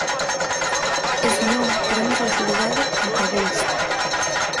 E senón, iremos ao xulgado e acabouse.